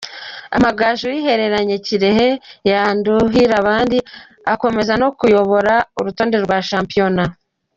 Amagaju yihereranye Kirehe ya Nduhirabandi, akomeza no kuyobora urutonde rwa Shampiona.